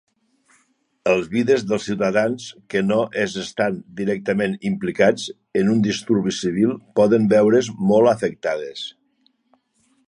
Els vides dels ciutadans que no es estan directament implicats en un disturbi civil poden veure's molt afectades.